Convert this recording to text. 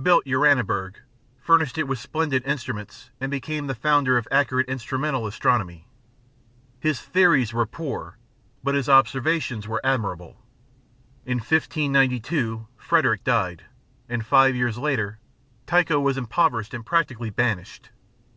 Built Uraniburg, furnished it with splendid instruments, and became the founder of accurate instrumental astronomy. His theories were poor, but his observations were admirable. In 1592 Frederick died, and five years later, Tycho was impoverished and practically banished.